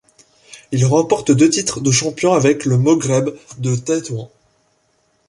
Il remporte deux titres de champion avec le Moghreb de Tétouan.